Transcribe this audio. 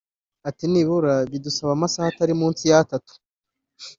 Ati “nibura bidusaba amasaha atari munsi y’atatu